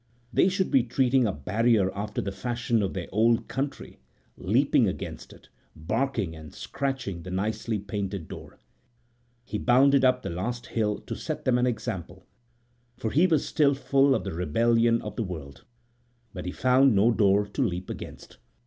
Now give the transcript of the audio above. They should be treating a barrier after the fashion of their old country, leaping against it, barking, and scratching the nicely painted door. He bounded up the last little hill to set them an example, for he was still full of the rebellion of the world; but he found no door to leap against.